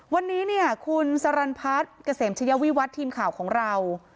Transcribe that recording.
วันนี้เนี่ยคุณสรรพัฒน์เกษมชยวิวัตรทีมข่าวของเรา